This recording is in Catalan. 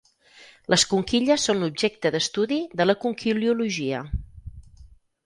Les conquilles són l'objecte d'estudi de la conquiliologia.